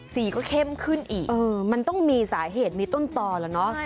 สีก็เข้มขึ้นอีกมันต้องมีสาเหตุมีต้นต่อแล้วเนอะ